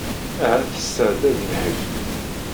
Ahat tesεeddaḍ lḥif.